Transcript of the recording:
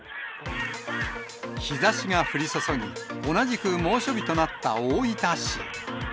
日ざしが降り注ぎ、同じく猛暑日となった大分市。